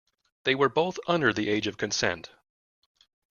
They were both under the age of consent.